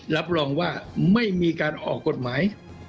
รับรองว่าไม่มีการออกกฎหมาย